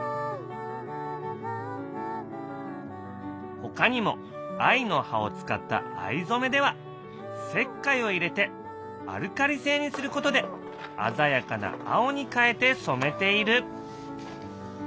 ほかにも藍の葉を使った藍染めでは石灰を入れてアルカリ性にすることで鮮やかな青に変えてそめている。